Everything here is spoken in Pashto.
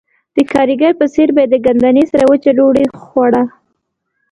د ګاریګرو په څېر به یې د ګندنې سره وچه ډوډۍ خوړه